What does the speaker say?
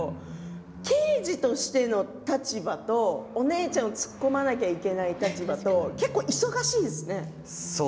刑事としての立場はお姉ちゃんの突っ込まなくてはいけない立場と結構、忙しいですね。